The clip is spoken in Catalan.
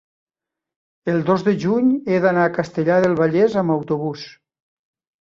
el dos de juny he d'anar a Castellar del Vallès amb autobús.